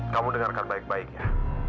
kamu dengarkan baik baiknya